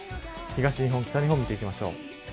東日本、北日本を見ていきましょう。